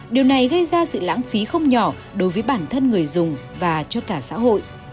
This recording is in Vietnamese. điều này gây ra sự lãng phí không nhỏ đối với bản thân người dùng và cho cả xã hội